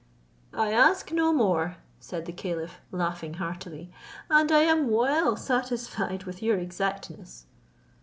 "I ask no more," said the caliph, laughing heartily, "and I am well satisfied with your exactness."